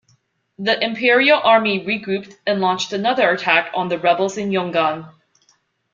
The imperial army regrouped and launched another attack on the rebels in Yongan.